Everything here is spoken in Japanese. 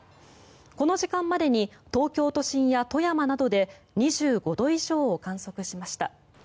この時間までに東京都心や富山などで２５度以上を観測しました。